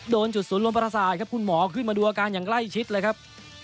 โดนจุดสูญลมภรรษาครับคุณหมอขึ้นมาดูอาการอย่างไล่ชิดเลยครับ